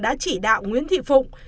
đã chỉ đạo nguyễn thị phụng